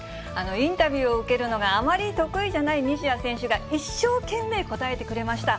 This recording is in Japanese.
インタビューを受けるのがあまり得意じゃない西矢選手が、一生懸命答えてくれました。